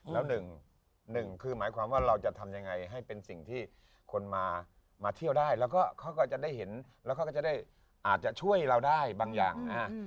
แล้วหนึ่งคือหมายความว่าเราจะทำยังไงให้เป็นสิ่งที่คนมาเที่ยวได้แล้วก็เขาก็จะได้เห็นแล้วเขาก็จะได้อาจจะช่วยเราได้บางอย่าง